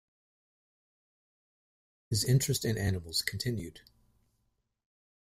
His interest in animals continued.